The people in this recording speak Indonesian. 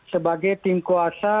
sebagai tim kuasa